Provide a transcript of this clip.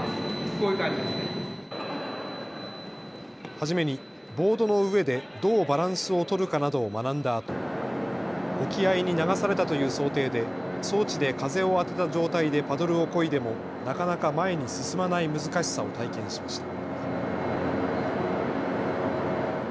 初めにボードの上でどうバランスを取るかなどを学んだあと沖合に流されたという想定で装置で風を当てた状態でパドルをこいでもなかなか前に進まない難しさを体験しました。